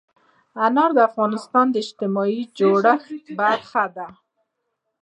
انار د افغانستان د اجتماعي جوړښت برخه ده.